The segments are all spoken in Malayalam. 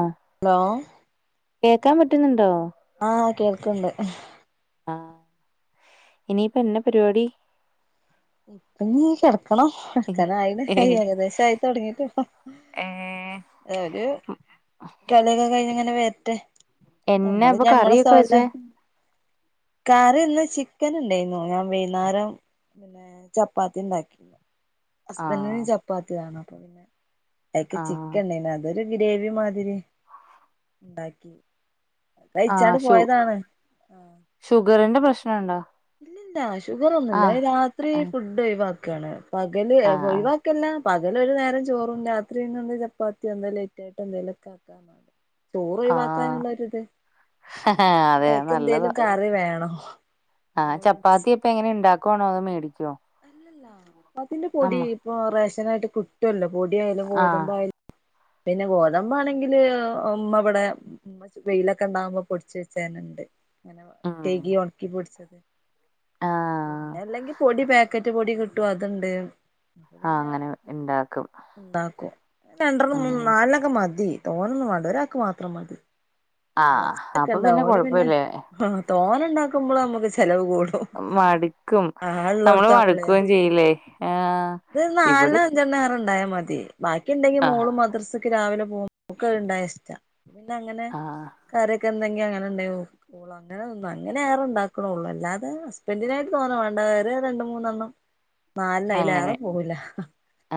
ആ ഹലോ കേക്കാ പറ്റുന്നുണ്ടോ ആ കേൾക്ക്ണ്ട്. ആ ഇനിയിപ്പം എന്ന പരുവാടി [inaudible] [unintelligible] [unintelligible] ആയിൻ ഏഹ് ഏകദേശം ആയിത്തൊടങ്ങിട് ഇപ്പം. ഒരു [unintelligible] കൈഞ്ഞിങ്ങനെ വര്ട്ടെ. എന്നാ ഞമ്മള് അപ്പൊ ഞമ്മള കറിയൊക്കെ സൈല്ല. വെച്ചേ കറി ഇന്ന് ചിക്കൻ ഇണ്ടായ്ന്നു. ഞാൻ വൈന്നേരം പിന്നെ ചപ്പാത്തി ഉണ്ടാക്കിരുന്നു. ആഹ് ഹസ്ബന്റിന് ചപ്പാത്തി വേണം. അപ്പൊ പിന്നെ അയക്ക് ആഹ് ചിക്കൻ ഇടേണ് അതൊരു ഗ്രേവി മാതിരി ഉണ്ടാക്കി. ആ കഴിച്ചാണ്ട് ഷു പോയതാണ് ഷുഗറിന്റെ പ്രശ്ന ഇണ്ടാ ഇല്ല ഷുഗറൊന്നുല്ല. ആഹ് രാത്രി ഫുഡ് ഒഴിവാക്കാണ് പകല് ആഹ് ഒഴിവാ ക്കല്ല പകലൊരു നേരം ചോറും രാത്രിന്ന് എന്ത ചപ്പാത്തി എന്ത ലേറ്റ് ആയ്ട്ട് എന്തേലൊക്കെ ആക്കാ [unintelligible] ചോറ് ആഹ് ഒഴിവാക്കാനുള്ള ഒരിത് അപ്പം അതെ പിന്നെ അയിക്ക് എന്തേലും കറി വേണോ ആ ചപ്പാത്തിയിപ്പം എങ്ങനെ ഇണ്ടാക്കണോ അതോ മേടിക്കോ അല്ലല്ല അതിന്റെ പൊടി ഇപ്പൊ റേഷനായിട്ട് കിട്ടൊല്ലോ പൊടി ആയാലും ആഹ് ഗോതമ്പായാലും. പിന്നെ ഗോതബാണെങ്കില് ഉം ഉമ്മ ഇബ്ടെ കോർച്ച് വെയിലൊക്കെ ഉണ്ടാമ്പോ പൊടിച്ച് വെച്ചേനെണ്ട്. അങ്ങനെ ഉം കൈകി ഒണക്കിപൊടിച്ചത് ആഹ് പിന്നെ അല്ലെങ്കി പൊടി പേക്കറ്റ് പൊടി കിട്ടും. അത്ണ്ട് ആഹ് പിന്നെ അങ്ങനെ ഇണ്ടാക്കും ഇണ്ടാക്കും. ഉം [unintelligible] നാല്നൊക്കെ മതി. തോനൊന്നു വണ്ട ഒരാക്ക് മാത്രം മതി. ആഹ് [unintelligible] അപ്പൊ ഇണ്ടാവും പിന്നെ കൊഴപ്പല്ലേ തോന ഇണ്ടാക്കുമ്പള നമ്മുക്ക് ചെലവ് കൂട് മട്ക്കും നമ്മള് വഴ്ക്കുവേം ചെയ്യില്ലെ ആഹ് ഇത് ഇവിടെ നാല്ണോ അഞ്ചെണ്ണോ ഏറെണ്ടായ മതി ബാക്കിണ്ടെങ്കി ആഹ് മോളും മദ്രസ്ക്ക് രാവിലെ പോവും ഓക്ക് അത്ണ്ടായ ഇഷ്ട്ടാ പിന്നെ അങ്ങനെ ആഹ് കറ്യേക്കെണ്ടെങ്കി അങ്ങനെ ഇണ്ടായി കൊട്ക്കും ഓള്ങ്ങനെന്നും അങ്ങനെ ഏറെണ്ടാക്ക്ണോള്ളൂ അല്ലാതെ ഹസ്ബന്റിനായിട്ട് തോനെ വേണ്ട ഏറിയാ രണ്ട് മൂന്നെണ്ണം നാല്നം അയ്ലേറ പോവൂല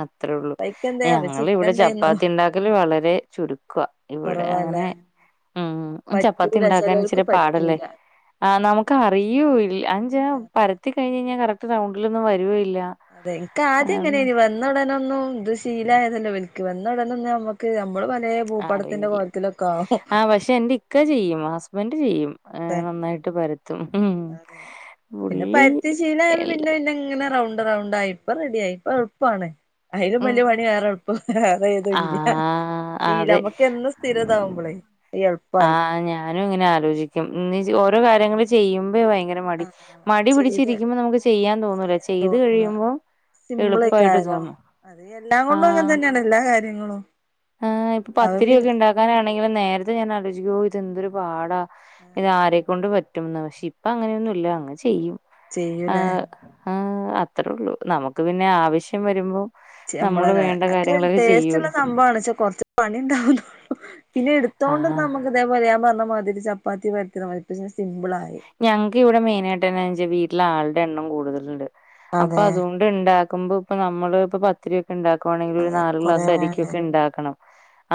അത്രള്ളൂ അപ്പ ഇക്ക് എന്തേ അപ്പച്ചി ഇക്ക് ഞങ്ങളിവിടെ എന്തേന്നു ചപ്പാത്തിണ്ടാക്കല് വളരെ ചുരുക്കാ ഇവിടെ കുറവാല്ലേ അങ്ങനെ ഉം ചപ്പാത്തി പറ്റൂല ഇണ്ടാക്കാൻ ചെലോർക്ക് ഇച്ചിരി പാടല്ലേ പറ്റൂല ആഹ് നമ്ക്ക് അറിയ്യൂല് അത്ച്ചാ പരത്തി കയ്ഞ്ഞയിഞ്ഞ കറക്റ്റ് റൗണ്ട്ലൊന്നും വരൂല്ല അതെ ഇൻക്ക് ആദ്യം ഇങ്ങനേനി വന്ന ഉടനൊന്നും ഇത്ഷ് ശീലായതല്ലേ ഇവൽക്ക് വന്ന ഉടനൊന്നും നമ്മക്ക് നമ്മള് പലേ ആഹ് ഭൂപടത്തിന്റെ അറിയില്ല കോലത്തിലൊക്കെ ആവും ആഹ് പക്ഷെ ഇന്റെ ഇ ഇക്ക ചെയ്യും ഹസ്ബൻഡ് ചെയ്യും ഏ നന്നായിട്ട് പരത്തും അതെ പിന്നെ പുള്ളി പര്ത്തി ശീലയപ്പോ എല്ല പിന്നെന്നെങ്ങനെ റൗണ്ട് റൗണ്ടായി ഇപ്പൊ റെഡിയായി ഇപ്പൊ എള്പ്പാണ് അയ്ലും വല്ല്യ ഉം പണി വേറെ എള്പ്പം വേറെത് വല്ല്യ ആഹ് ശീലം അതെ നമ്മക്ക് എന്നും സ്ഥിരതാവുമ്പളെ ആഹ് ഞാനും ഇങ്ങനെ ആലോചിക്കും ഇന്ന് ഓരോ കാര്യങ്ങള് ചെയ്യുമ്പയെ ഭയങ്ക ര മടി ആഹ് മടി ചെയ്ത് പിടിച്ചിരിക്കുമ്പോ നമുക്ക് ചെയ്യാൻ തോന്നൂല ചെയ്ത് കഴിയുമ്പോ എളുപ്പായിട്ട് സിംമ്പ്ളെക്കാരം തോന്നും അത് എല്ലാം കൊണ്ടും അങ്ങനെ ആഹ് തന്നെയാണ് എല്ലാ കാര്യങ്ങളും ആഹ് ഇപ്പൊ അത് പത്തിരിയൊക്കെ പിന്നെ ഇണ്ടാക്കാനാണെങ്കിലും നേരത്തെ ഞാൻ ആലോചിക്കു ഓ ഇതെന്തൊര് പാടാ ഇത് ആരെക്കൊണ്ട് പറ്റുംന്ന് പക്ഷെ ഇപ്പ അങ്ങനെയൊന്നുല്ല അങ്ങ് ചെയ്യും ചെയ്യൂല ഏഹ് ആഹ് അത്രോള്ളൂ നമുക്ക് പിന്നെ ആവശ്യം വര്മ്പോ ചെ നമ്മള് ഒക്കെയിന് ടേസ്റ്റ്ള്ള സംഭവാണ് ക്ഷേ കൊറ്ച്ച് പണിണ്ടാവുന്നോള്ളൂ പിന്നെ ഇട്ത്തോണ്ട്ന്നാ ആഹ് നമ്മക്ക് ഇതെപോലെ ഞാൻ പറഞ്ഞമാതിരി ചപ്പാത്തി പരത്ത്ണമാതിരിതന്നെ സിംമ്പിളായി ഞങ്ങക്ക് ഇവിടെ മെയിനായിട്ട് വര്ന്നേന്ന്ച്ചാ വീട്ടിലെ ആൾടെ എണ്ണം കൂട്തല്ണ്ട് അപ്പ അതെ അതോ ഇവിടെ ഉണ്ടാക്കുമ്പോൾ ഇപ്പോ നമ്മള് ണ്ട് ഇണ്ടാക്കുമ്പോ ഇപ്പോ നമ്മള് ഇപ്പ പത്തിരിയൊക്കെ ഇണ്ടാക്കുവാണെങ്കില് ഒര് അതെ നാല് കൊറേ ഗ്ലാസ് വേണ്ട അരിക്കൊക്കെ ഇണ്ടാക്കണം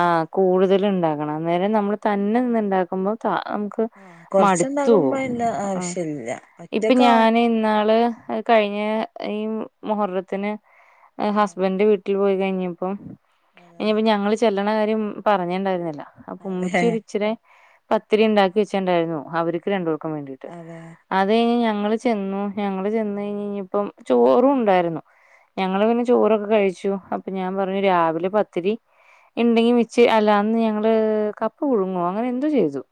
ആഹ് കൂടുതല് ഇണ്ടാക്കണം അന്നേരം നമ്മള് തന്നെ നിന്ന്‌ ഇണ്ടാക്കുമ്പോ താ നമുക്ക് മട് ക്കുമ്പോ അയിന്റെ ആവശ്യല്ല ഇപ്പൊ ഒറ്റക്കാവു ഞാന് ഇന്നാള് അത് കഴിഞ്ഞ ഈ മുഹറത്തിന് ഹസ്ബന്റ് വീ ട്ടീ പോയി കഴിഞ്ഞപ്പം അതെ ഇനിയിപ്പോ ഞങ്ങള് ചെല്ലണ കാര്യം പറഞ്ഞ്ണ്ടായിരുന്നില്ല അപ്പം ഉമ്മച്ചി അതെ ഇച്ചിരെ പത്തിരി ഇണ്ടാക്കി വെച്ചെണ്ടായിരുന്നു അവര്ക്ക് രണ്ട് പേർക്കും വേണ്ടീട്ട് അതെ അത്ഴിഞ്ഞ് ഞങ്ങള് ചെന്നു ഞങ്ങള് ചെന്ന്‌ കഴിഞ്ഞ്ഞ്ഞപ്പം ചോറും ഉണ്ടായിരുന്നു ഞങ്ങള് പിന്നെ ചോറൊക്കെ കഴിച്ചു അപ്പോ ഞാൻ പറഞ്ഞു രാവിലെ പത്തിരി ഇണ്ടെങ്കി മിച്ച് അല്ല അന്ന് ഞങ്ങള് കപ്പ് പുഴുങ്ങോ അങ്ങനെന്തോ ചെയ്തു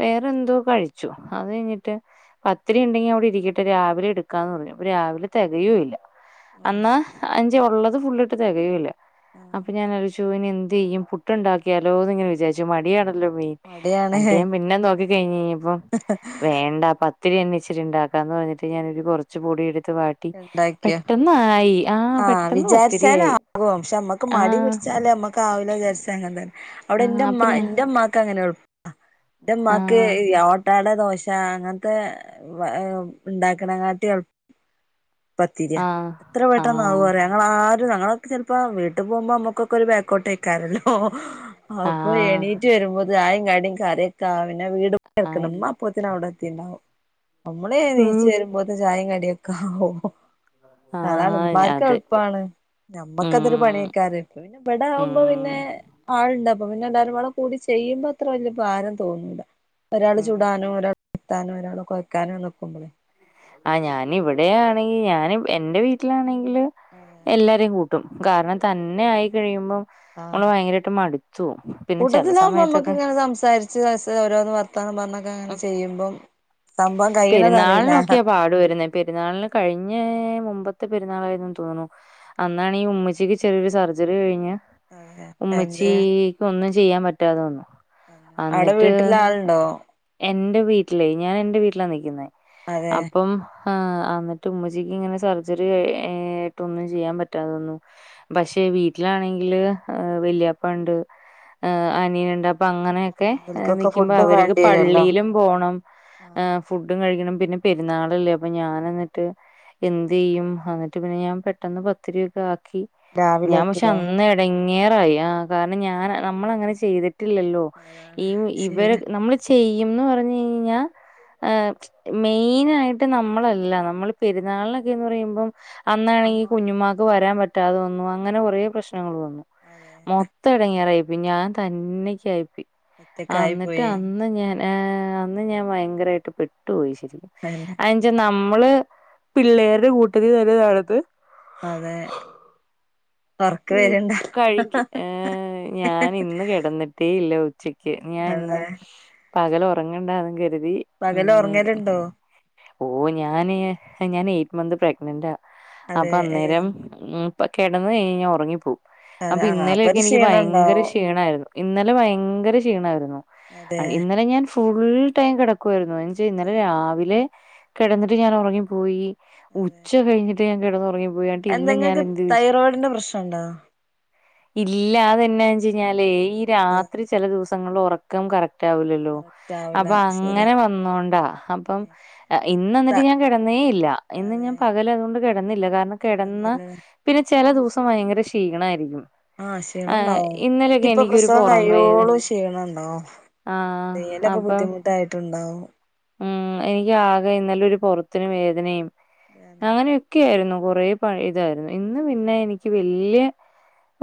വേറെന്തോ കഴിച്ചു അത് കഴിഞ്ഞിട്ട് പത്തിരിണ്ടെങ്കി അവിടെ ഇരിക്കട്ടെ രാവിലെ എട്ക്കാന്ന് പറഞ്ഞു അപ്പോ രാവിലെ തെകയുല്ല അന്ന്‌ അഞ്ച് ഉള്ളത് ഫുള്ളിട്ട് തെകയുല്ല ആഹ് അപ്പ ഞാനാലോയ്ച്ചു ഇനി എന്തെയ്യും പുട്ടുണ്ടാക്കിയാലോന്ന് ഇങ്ങനെ വിചാരിച്ചു മടിയാണല്ലോ മെയിൻ അന്ന്ട്ട് ഞാൻ പിന്നെ നോക്കി കഴിഞ്ഞ്ഴിഞ്ഞപ്പോ ഹ് ഹ് വേണ്ട പത്തിരിന്നെ ഇച്ചിരി ഇണ്ടാക്കാന്ന് പറഞ്ഞിട്ട് ഞാനൊര് കൊറച്ച് പൊടി എട്ത്ത് വാട്ടി ഉണ്ടാക്കിയ പെട്ടെ ന്നായി ആഹ് വിചാരിച്ചാലാകും ക്ഷേ നമ്മക്ക് ആ മടി പിടിച്ചാല്മ്മ ക്കാവൂല വിചാരിച്ചാ അങ്ങനെതന്നെ അവ്ടെ ഇന്റെ ആ അപ്പൊ ഇമ്മാ ഞാ ഇന്റെ ഇമ്മാക്ക് അങ്ങനെ എള്പ്പാ ഇന്റെ ആ ഇമ്മാക്ക് ഈ ഓട്ടാടാ ദോശ് ശാ അങ്ങനത്തെ ഇണ്ടാക്ക്ണെക്കാട്ടി എള് പത്തിര്യാ ആ എത്ര ആ പെട്ടന്നാവുറ്യോ ഞങ്ങളാരും ഞങ്ങളൊക്കെലപ്പോ വീട്ട് പോവുമ്പോ നമ്മക്കൊക്കെര് ബേക്കോട്ടേക്കാരല്ലോ ആ അപ്പോ ആ എണീറ്റ് വരുമ്പോത്ത്ന് ചായിം കടിം കറിയൊക്കാവു പിന്നെ വീട് ആ [unintelligible] ഇമ്മപ്പോ ത്തിന് അവിടെത്തിണ്ടാവും നമ്മള് എണീച്ച് വരുമ്പോത്തിന് ചായിം കടിയൊക്കാവും അതാണ് ഉമ്മാക്ക് അതെ എളുപ്പമാണ് നമ്മക്ക് ഉം അതൊരു പണി [unintelligible] ഇവിടെ ഉം ആകുമ്പോ പിന്നെ ആളുണ്ട് അപ്പോ പിന്നെ എല്ലാരും കൂടി ചെയ്യുമ്പോ അത്ര വലിയ ഭാരം തോന്നൂല ഒരാള് ഉം ചുടാനും ഒരാള് പരത്താനും ഒരാള് കൊയ്ക്കാനും നിൽ ക്കുമ്പോളെ ആഹ് ഞാന് ഇവിടെ ആണെങ്കിൽ ഞാന് എന്റെ വീട്ടിലാണെങ്കില് എല്ലാരെയും കൂട്ടും കൂട്ടും കാരണം തന്നെ ആയി കഴിയുമ്പോ ആഹ് നമ്മള് ഭയങ്കരമായിട്ട് മടുത്തു പോകും പിന്നെ ചെല സമയത്തൊക്കെ സംസാരി ച്ച് ഓരോന്ന് വർത്താനം പറഞ്ഞൊക്കെ അങ്ങനെ ഉം ചെയ്യുമ്പോ സംഭവം കഴിയണതറിയില്ല പെരുന്നാളിനൊക്കെയാ പാട് വരുന്നേ പെരുന്നാളിന് കഴിഞ്ഞെ മുമ്പത്തെ പെരുന്നാളായിരുന്ന് തോന്നുന്നു അന്നാണെങ്കില് ഈ ഉമ്മച്ചിക്ക് ചെറിയൊരു സർജറി കഴിഞ്ഞ് അതെ എന്ത് ഉമ്മച്ചിക്ക് ഒന്നും ചെയ്യാൻ പറ്റാതെ വന്നു അന്നിട്ട് ഉണ്ടോ എന്റെ വീട്ടിലേ ഞാൻ എന്റെ വീട്ടിലാ നിക്കുന്നേ അതെ അപ്പം ആഹ് അന്നിട്ട് ഉമ്മച്ചിക്ക് ഇങ്ങനെ സർജറി ആ ആയിട്ടൊന്നും ചെയ്യാൻ പറ്റാതെ വന്നു പക്ഷെ വീട്ടിലാണെങ്കില് വെല്യയപ്പ ഉണ്ട് അനിയനുണ്ട് അപ്പോ അങ്ങനെയെ ക്കെ ഓൽക്കൊക്കെ നിക്കുമ്പോ ഫുഡും അവർക്ക് വേണ്ടി വരുല്ലോ എനിക്കും പോണം ഫുഡും കഴിക്കണം പിന്നെ പെരുന്നാളല്ലേ അപ്പോ ഞാൻ അന്നിട്ട് എന്ത് ചെയ്യും അന്നിട്ട് പിന്നെ ഞാൻ പെട്ടെന്ന് പത്തിരി ഒക്കെ ആക്കി ഞാൻ പക്ഷേ രാവിലെക്കില്ലേ അന്ന് ഇടങ്ങേറായി ആ കാരണം ഞാൻ നമ്മള് അങ്ങനെ ചെയ്തിട്ടി ട്ടില്ലല്ലോ ഈ അതാണ് ഇവരെ ശീലം നമ്മള് ചെയ്യുമെന്ന് പറഞ്ഞ് കഴിഞ്ഞഞ്ഞാ ൽ ആഹ് മെയിൻ ആയിട്ട് നമ്മളല്ല നമ്മള് പെരുന്നാളിനെക്കെന്ന് പറയുമ്പോ അന്നാണെങ്കിൽ കുഞ്ഞുമാക്ക് വരാൻ പറ്റാതെ വന്നു അങ്ങനെ കൊറേ പ്രശ്നങ്ങളന്നു അതെ മൊ ത്തടങ്ങറായിപ്പോയി ഞാൻ തന്നക്കായിപ്പോയി ഒറ്റക്കായി അന്നിട്ടാ പോയി അന്ന് ഞാൻ അന്ന് ഞാൻ ഭയങ്കരായിട്ട് പെട്ടു പോയി ശരിക്കും ഏഹ് ഐഞ്ചി നമ്മള് പിള്ളേരുടെ കൂട്ടത്തില് നടന്ന് അതെ ഒർക്ക് വരണ്ട കഴിക്ക് ഏഹ് ഞാൻ ഇന്ന് കിടന്നിട്ടേ ഇല്ലോ ഉച്ചക്ക് ഞാൻ ഇന്ന് അതെ പകൽ ഉറങ്ങണ്ടാന്ന് കരുതി പകല് ഉം ഒറങ്ങലുണ്ടോ ഓ ഞാന് ഞാൻ എയ്റ്റ് മന്ത് പ്രഗ്നന്റാ അതെ അപ്പൊ ഏ അന്നേരം ഉം കിടന്ന് കഴിഞ്ഞാ ഉറങ്ങിപ്പോവും അതെ അപ്പൊ ആ ഇന്നലെയൊക്കെ ഒരു എനിക്ക് ക്ഷീണം ഭയങ്കര ഉണ്ടാവും ക്ഷീണായിരുന്നു ഇന്നലെ ഭയങ്കര ക്ഷീണായിരുന്നു അതെ ഇന്നലെ ഞാൻ ഫുൾ ടൈം കിട ക്കുവാരുന്നു ഇന്നലെ രാവിലെ കിടന്നിട്ട് ഞാൻ ഉറങ്ങിപ്പോയി ഉച്ച കഴിഞ്ഞിട്ട് ഞാൻ കിടന്നുറങ്ങിപ്പോയി എന്നിട്ട് ഇന്ന് ഞാൻ എന്തെങ്ങക്ക് എന്ത് തൈറോയിഡിന്റെ പ്രശ്നണ്ടോ ഇല്ലാതന്നാ വച്ച കഴിഞ്ഞല് ഈ അതെ രാത്രി ചില ദിവസങ്ങളിൽ ഉറക്കം കറക്റ്റ് റ്റാവൂലല്ലോ കറക്റ്റ് ആവൂല അപ്പൊ ശരിയാ അങ്ങനെ വന്നോണ്ടാ അപ്പം ത ഇന്നന്നിട്ട് ഞാൻ കിടന്നേ ഇല്ല ഇന്ന് അതെ ഞാൻ പകലതുകൊണ്ട് കിടന്നില്ല കാരണം കിടന്നാ കിടന്നില്ലേ പിന്നെ ചില ദിവസം ഭയങ്കര ക്ഷീണായിരിക്കും ആഹ് ആഹ് ക്ഷീണംണ്ടാവും ഇന്നലെയൊക്കെ ഇനിപ്പ എനിക്കൊരു പ്രസവം പൊറം വേദന കഴിയോളും ക്ഷീണം ഉണ്ടോ ആഹ് ന്തെലൊക്കെ അപ്പം ബുദ്ധിമുട്ടായിട്ടുണ്ടാവും ഉം എനിക്ക് ആകെ ഇന്നലെരു പൊറത്തരു വേദനയും അങ്ങനെ ഒക്കെയിരുന്നു കുറെ പഴേതായിരുന്നു ഇന്ന് പിന്നെ എനിക്ക് വല്ല്യ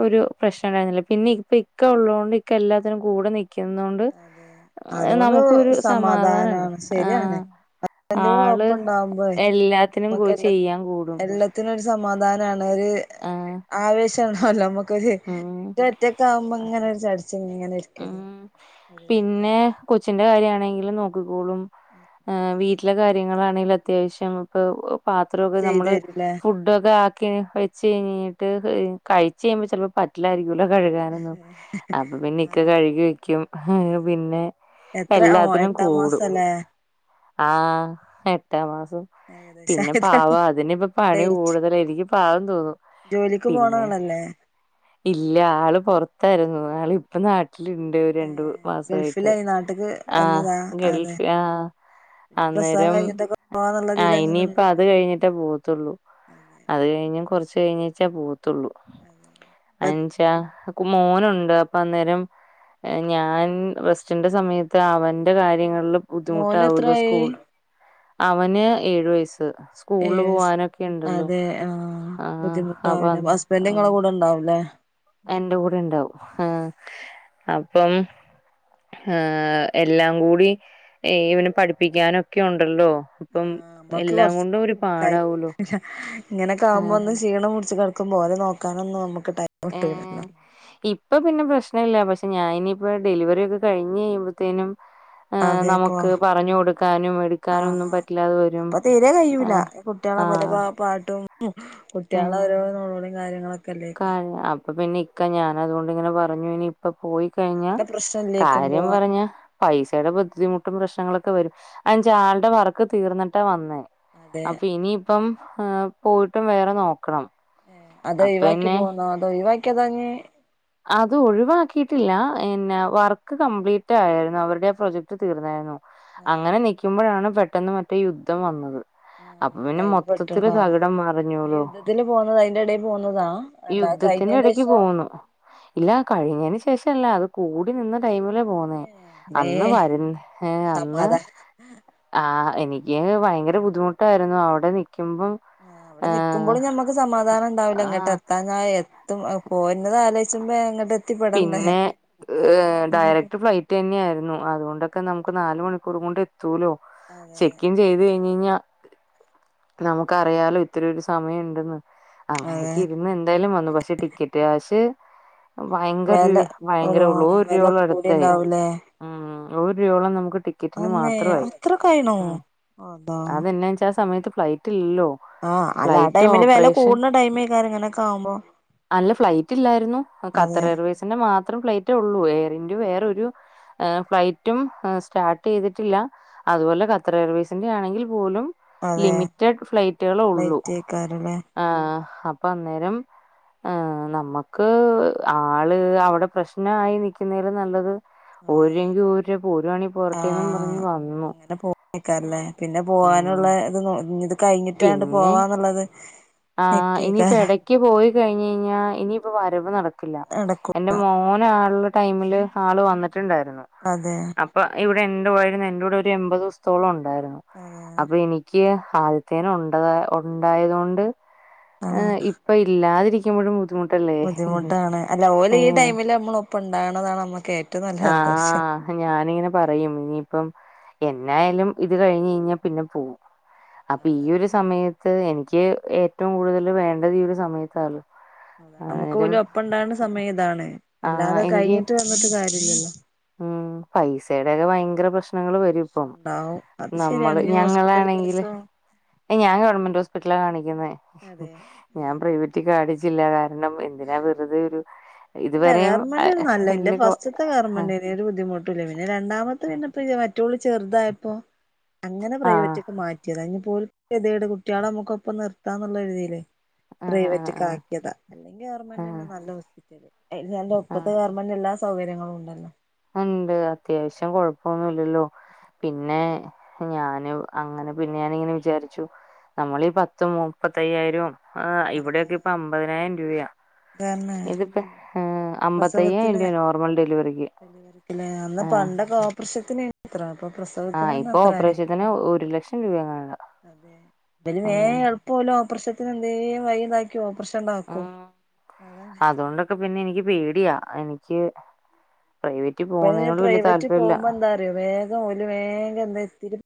ഒരു പ്രശ്നം ഉണ്ടായിരുന്നില്ല പിന്നെ ഇപ്പൊ ഇക്ക ഉള്ളാണ്ട് ഇക്ക എല്ലാത്തിനും കൂടെ നി ന്നുണ്ട് അതെ അതുകൊണ്ട് നമുക്ക് ഒരു സമാധാനണ്ട് സമാധാനാണ് ശരിയാണ് ആഹ് ഹസ്ബന്റിന്റെ ആള് ഒപ്പം ഉണ്ടാവുമ്പോഴേ എല്ലാത്തിനും പൊ നമ്മുക്ക് എല്ലാ ചെയ്യാൻ കൂടും എല്ലാത്തിനും ഒരു സമാധാനാണ് ഒരു ആഹ് ആവേശാണല്ലോ നമ്മുക്കൊരു ഒറ്റക്കാവുമ്പോ ഉം ങ്ങനെ ചടിച്ച ഉം ഇങ്ങനെരിക്കന്നെ പിന്നെ കൊച്ചിന്റെ കാര്യാണെങ്കിലും നോക്കിക്കോളും അതെ വീട്ടിലെ കാര്യ നിങ്ങളാണങ്കി അത്യാവശ്യം പാത്രക്കെ ചെയ്തു നമ്മള് തരൂലേ ഫു ഒക്കെ ആക്കി വെച്ച് കഴഞ്ഞിട്ട് കഴിച്ച് കഴിയുമ്പൊ ചിലപ്പോൾ പച്ച- ട്ടിലാരിക്കല്ലോ കഴുകാനൊന്നും അപ്പൊ പിന്നെ ഇക്ക ആഹ് കഴുകി ഹേ അതെ പിന്നെ എത്ര ഓ എല്ലാത്തിനും എട്ടാം കൂടും മാസല്ലേ ആഹ് എട്ടാം മാസം പിന്നെ ഏകദേശായി പാവാ അതിന്പ്പ പണി ഡേറ്റ് കൂടുതലാ നിക്ക് പാവം തോന്നും ജോലിക്ക് പിന്നെ പോണാളല്ലേ ഇല്ല ആള് പുറത്തായിരുന്നു ആളിപ്പൊ നാട്ടിലുണ്ട് രണ്ടു ഏഹ് മാസായിട്ട് ഗൾഫിലായി നാട്ട്ക്ക് ആഹ് വന്നതാ അതെ ഗൾഫ് ആഹ് പിന്നെ പ്രസവം അന്നേരം കഴിഞ്ഞിട്ടൊക്കെ ആഹ് പോവാന്നുള്ളതിലങ്ങനെ ഇനിയിപ്പൊ അത് കഴിഞ്ഞിട്ടേ പോവത്തുള്ളൂ അതെ അത് കഴിഞ്ഞ് കൊറച്ച് കഴിഞ്ഞട്ടെ പോ തുള്ളു അതെ ഇപ്പ അഞ്ചാ മോനുണ്ട് അപ്പൊന്നേരം ഞാൻ റസ്റ്റിന്റെ സമയത്ത് അവന്റെ കാര്യങ്ങളില് മോന് ബുദ്ധിമുട്ടാവല്ലോ എത്രായി സ്കൂൾ അവന് ഏഴ് വയസ്സ് സ്കൂളിൽ ഏഴ് വയസ് പോവാനൊക്കെണ്ടല്ലോ അതെ ആഹ് ആഹ് അപ്പൊ ണ്ടാവുലേ എന്റെ കൂടെയുണ്ടാവും ആഹ് അപ്പം ഏഹ് എല്ലാം കൂടി ഇവനെ പഠിപ്പിക്കാനൊക്കെയുണ്ടല്ലോ അപ്പം ആഹ് നമ്മക്ക് എല്ലാം കൊറച്ച് കൊണ്ടും ഒരു കഴിയും പാടാവുള്ളൂ ഇങ്ങനൊക്കെ ആവുമ്പോ ഒന്ന് ക്ഷീണംപുടിച്ച് കടക്കുംമ്പോ ഓലെ നോക്കാനൊന്നും നമക്ക് ടൈ ഏഹ് ഈ ഇപ്പൊ പിന്നെ പ്രശ്നല്ല പക്ഷെ ഞാനിപ്പൊ ഡെലിവറി ഒക്കെ കഴിഞ്ഞ് കഴിയുമ്പത്തേനും ഏഹ് അതെപ്പോ നമുക്ക് പറഞ്ഞു കൊടുക്കാനും എടുക്കാനും ഒന്നും ആഹ് പറ്റില്ലാതെ വരും ഏഹ് കുട്ട്യേളെ പൊലെ പാ പാട്ടും കുടട്ട്യേളോരോ നൊലോളീം കാര്യങ്ങളൊക്കെല്ലേ ക്ക ആഹ് അപ്പൊ പിന്നെ ക്കെ ഞാൻ അതുകൊണ്ട്ങ്ങനെ പറഞ്ഞു ഇനി ഇപ്പൊ പോയി കഴിഞ്ഞാ അങ്ങനെ പ്രശ്നല്ലേക്കും കാര്യം പോവാൻ പറഞ്ഞാ പൈസയുടെ ബുദ്ധിമുട്ടും പ്രശ്നങ്ങളൊക്കെ വരും അതെ അയെന്നാവെച്ചാൾടെ വർക്ക് തീർന്നിട്ടാ വന്നെ അതെ അപ്പൊ ഇനിയിപ്പം ഹ് പോയിട്ട് വേറെ നോക്കണം. അപ്പൊ അതൊയിവാക്കി പിന്നെ പോന്നോ അതോ ഒയിവാക്കിയാതാഞ്ഞ് അത് ഒഴിവാക്കിയിട്ടില്ല ഇന്നെ വർക്ക് കംപ്ലീറ്റ് ആയിന്നു അവരുടെ പ്രൊജക്ട് തീർന്നേരുന്നു. അതെ അങ്ങനെ നിക്കുമ്പഴാണ് പെട്ടെന്ന് മറ്റേ യുദ്ധം വന്നത്. ആഹ് അപ്പൊ അത് പിന്നെ അയില് മൊത്തത്തില് പെട്ടുണ്ടാവും തകിടം ആഹ് മറിഞ്ഞോലോ യുദ്ധത്തില് പോന്നത് അയിന്റെ എടേ പോന്നതാ? അല്ല അയ് യുദ്ധത്തിന്റെ ഇടക്ക് കഴിഞ്ഞേന്റേഷം പോന്നു ഇല്ല കഴിഞ്ഞേന് ശേഷല്ല അത് കൂടി നിന്ന ടൈമില് പോന്നേ മേ അന്ന് വര ഹേ അന്ന് സമാധാനം ആഹ് എനിക്ക് വയങ്കര ബുദ്ധിമുട്ടായിരുന്നു അവിടെ നിക്കുമ്പം ആഹ് അവിടെ ഏഹ് നിക്കുമ്പളും ഞമ്മക്ക് സമാധാനണ്ടാവില്ല ആ ഇങ്ങട്ടെത്താൻ. ആഹ് എത്തും അയ് പോര്ന്നത് ആലോച്ചുമ്പം ഇങ്ങട്ട് എത്തിപ്പെടെണ്ടേ പിന്നെ ആഹ് ഒരു ബദ്ധിമുട്ട് തെന്നിയായിരുന്നു അതുകൊണ്ടൊക്കെ നമുക്ക് നാലു മണിക്കൂറും കൊണ്ട് എത്തൂലോ അതെ ചെക്കിങ് ചെയ്ത് കയിഞ്ഞിട്ട് കിഞ്ഞ നമുക്കറിയാലോ ഇത്രൊരു സമയുണ്ടെന്ന് അതെ അങ്ങനെയൊക്കെ ഇരുന്ന് ന്തായാലും വന്നു പക്ഷെ ടിക്കറ്റ് കാശ് വയങ്കര രു വെല ഒരു വയങ്കരളൂ വെല നൂരൂപോളടുത്തായി കൂടിണ്ടാവൂലേ മ നൂരുയോളം നമുക്ക് ടി ക്കറ്റിന് അന്നേ മാത്രമായി അത്രക്കായിണോ ഉം അള്ളാ അതെന്നാ വെച്ചാ ആ സമയത്ത് ഫ്ലൈറ്റ് ഇല്ലല്ലോ ആഹ് അല്ല ആ ഫ്ലൈറ്റ് ടൈമില് വെല ഓപ്പറേഷൻ കൂട്ണ ടൈമേക്കാര് ഇങ്ങനെ ക്കാവുമ്പോ അല്ല ഫ്ലൈറ്റ് ഇല്ലായിരുന്നു. ഖത്തർ എയർവേയ്സിന്റെ മാത്രം ഫ്ലൈറ്റ് ഉള്ളൂ എയർ ഇന്റ വേറൊരു ഫ്ലൈറ്റും സ്റ്റാർട്ട് ചെയ്തിട്ടില്ല. അതുപോലെ ഖത്തർ എയർവേർസിന്റെ ആണെങ്കിൽ പോലും അതെ ലിമിറ്റഡ് ഫ്ലൈറ്റുകളെ ഉള്ളു റേറ്റ് ഏക്കാരല്ലേ ആഹ് അപ്പൊ അന്നേരം ആഹ് നമ്മക്ക് ആള് അവടെ പ്രശ്നായി നിക്കുന്നതിലും നല്ലത് അതെ ഊരെങ്കി ഊര് പോരാണി പോരട്ടെന്നും പറഞ്ഞ് വന്നു. നിക്കാരല്ലേ പിന്നെ ഉം പോവാനുള്ള ഇത് ഇഞ്ഞിത് കഴിഞ്ഞിട്ടാണ്ട് പിന്നെ പോവാന്ന്ള്ളത് നിക്കേക്കാരം. ക്കി പോയി കഴിഞ്ഞയിഞ്ഞാ ഇനിയിപ്പോ വരവ് നടക്കില്ല. നടക്കും എന്റെ മോനാള്ള ടൈമില് ആള് വന്നിട്ട്ണ്ടായിരുന്നു. അതേ അപ്പൊ ഇവിടെ എന്റെ പോയിരുന്നു എന്റെ കൂടെ ഒരു എമ്പതിസ് ത്തോളം ഒണ്ടായിരുന്നു അതെ അപ്പൊ എനിക്ക് ആ പേന ഉണ്ടതാ ഉണ്ടായതുകൊണ്ട് ആഹ് ങ് ഇപ്പൊ ഇല്ലാതിരിക്കുമ്പഴും ബുദ്ധി ബുദ്ധിമുട്ടാണ് അല്ല ഓലീ ടൈമില് നമ്മളൊപ്പണ്ടാവ്ണതാണ് നമ്മക്ക് ഏറ്റവും നല്ല സന്തോഷം പ്പ ഞാനിങ്ങനെ പറയും ഇനിയിപ്പം എന്നായാലും ഇത് കഴിഞ്ഞ് കയിഞ്ഞാ പിന്നെ പോവും. അപ്പ ഈ അതെ ഒരു സമയത്ത് എനിക്ക് ഏറ്റവും കൂടുതൽ വേണ്ടത് ഈ ഒരു സമയത്താണ്. നമുക്ക് അന്നേരം പോലും ഒപ്പം ഉണ്ടാവുന്ന സമയം ഇതാണ് ആ അല്ലാതെ എനിക്ക് കയിഞ്ഞിട്ട് നിന്നിട്ട് കാര്യല്ലല്ലോ ഉം പൈസേടെകെ ഭയങ്കര പ്രശ്ന നിങ്ങള് വരുപ്പം ഉണ്ടാവും അത് ഇപ്പം ശരിയാണ് നമ്മള് ഇനി ഹോസ്പിറ്റൽ ഞങ്ങളാണെങ്കില് കേസും എ ഞാൻ ഗവൺമെന്റ് ഹോസ്പിറ്റല കാണിക്കുന്നെ അതെ ഞാ പ്രൈവ ചിന്ന അടിച്ചില്ല കാരണം എന്തിനാ വെറുതെ ഒരു അല്ല ഇതുവരെയും ഗവർമെന്റാണ് നല്ലത് ഇന്റെ വല്യ കൊ ഫസ്റ്റ്ത്തെ ആഹ് ഗവരമെന്റര്ന്ന്. വരു ബുദ്ധിമുട്ടുല്ല പിന്നെ രണ്ടാമത്തെ പിന്നെപ്പ മറ്റോള് ചെറുതായപ്പോ അങ്ങനെ പ്രൈവറ്റ്ക്ക് മാറ്റിയതാ ന്നിപ്പോലിതേട് കുട്ട്യേളെ നമ്മുക്കൊപ്പം നിർത്താന്നുള്ളരീതില് ആഹ് പ്രൈവറ്റ് ആഹ് ആഹ് കാക്കയത അല്ലെങ്കിൽ ഗവണ്മെന്റ് തന്നെ ആഹ് നല്ല ഹോസ്പിറ്റല് അ എന്റെ ഒപ്പത്ത് ആഹ് ഗവർമെന്റ് എല്ലാ സൗകര്യങ്ങളും ഉണ്ടല്ലോ ഉണ്ട് അത്യാവശ്യം കൊഴപ്പൊന്നുല്ലല്ലോ പിന്നെ ഞാന് അങ്ങനെ പിന്നെ ഞാനിങ്ങനെ വിചാരിച്ചു നമ്മളീ പത്ത് മൂപ്പത്തയ്യായിരം ആഹ് അതെ ഇവിടൊക്കെ ഇപ്പൊ അമ്പതിനായിരം രൂപയാ. തന്നെ ഇതിപ്പം ആഹ് അമ്പത്തയ്യായിരം രൂപയാണ് നോർമൽ ഡെലിവറി ല്ലേ അന്ന് പണ്ടൊക്കോപ്രേഷത്തിന് ത്രേ ഇപ്പൊ ആ, പ്രസവത്തിനന്നേ ഇപ്പൊ അത്രായി. ഓപ്പറേഷത്തിന് ഒരു ലക്ഷം രൂപയെങ്ങാണ്ടാ അതെ? ണ്ടെങ്കി വേ ഇപ്പോല് ഓപ്പറേഷത്തിന് എന്തേലും വയിണ്ടാക്കി ഓപ്പറേഷണ്ടാക്കും. അതെ ക്ക് പിന്നെനിക്ക് പേടിയാ. എനിക്ക് പ്രൈവറ്റ് പോകുന്നതിനോട് വല്ല്യ താല്പര്യല്ല. റിയോ വേഗം ഓല് വേഗം എന്താ